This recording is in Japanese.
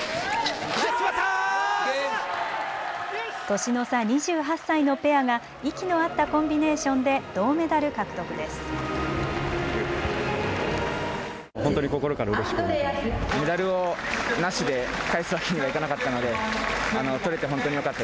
年の差２８歳のペアが息の合ったコンビネーションで銅メダル獲得です。